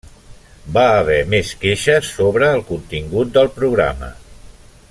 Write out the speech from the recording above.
Va haver més queixes sobre el contingut del programa.